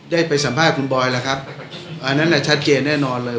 ได้ไปสัมภาษณ์คุณบอยแล้วครับอันนั้นแหละชัดเจนแน่นอนเลย